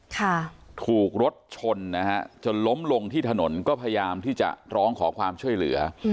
ค่ะถูกรถชนนะฮะจนล้มลงที่ถนนก็พยายามที่จะร้องขอความช่วยเหลือ